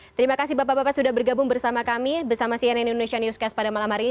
terima kasih bapak bapak sudah bergabung bersama kami bersama cnn indonesia newscast pada malam hari ini